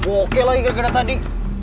gak bokeh lagi gara gara tadi